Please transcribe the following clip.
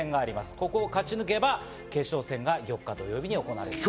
ここを勝ち抜けば決勝戦が４日の土曜日に行われます。